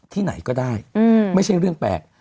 ที่ไหนก็ได้ไม่ใช่เรื่องแปลก